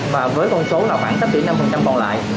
và với con số là khoảng tất cả năm còn lại